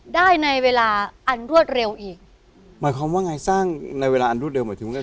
ได้ในเวลาอันรวดเร็วอีกหมายความว่าไงสร้างในเวลาอันรวดเร็วหมายถึงว่า